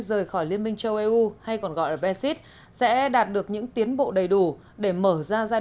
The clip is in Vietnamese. rời khỏi liên minh châu âu hay còn gọi là brexit sẽ đạt được những tiến bộ đầy đủ để mở ra gian